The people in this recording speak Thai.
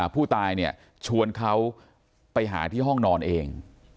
ผู้ตายเนี่ยชวนเขาไปหาที่ห้องนอนเอง